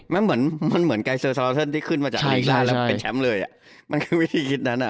มันเหมือนมันเหมือนที่ขึ้นมาจากใช่ใช่แล้วเป็นแชมป์เลยอ่ะมันคือวิธีคิดนั้นอ่ะ